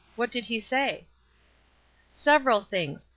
What did he say?" "Several things.